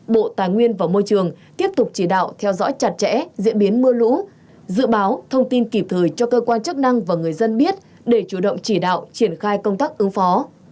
bộ tài nguyên và môi trường tiếp tục chỉ đạo theo dõi chặt chẽ diễn biến mưa lũ dự báo thông tin kịp thời cho cơ quan chức năng và người dân biết để chủ động chỉ đạo triển khai công tác ứng phó